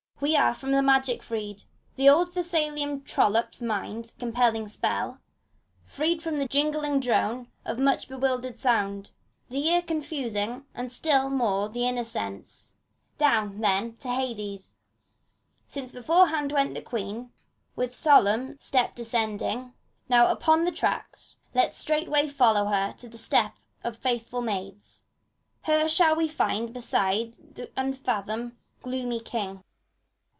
we are from the magic freed. The old Thessalian trollop's mind compelling spell, — Freed from the jingling drone of much bewildering sound, The ear confusing, and still more the inner sense. Down, then, to Hades! since beforehand went the Queen, With solemn step descending. Now, upon the track, Let straightway follow her the step of faithful maids t Her shall we find beside the unf athomed, gloomy King.